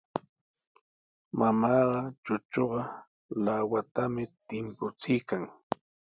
Mamaaqa chuchuqa lawatami timpuchiykan.